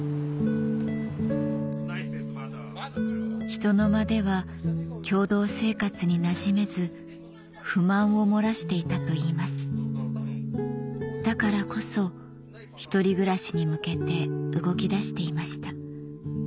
ひとのまでは共同生活になじめず不満を漏らしていたといいますだからこそ１人暮らしに向けて動きだしていました